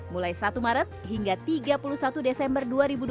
mulai satu maret hingga tiga puluh satu desember dua ribu dua puluh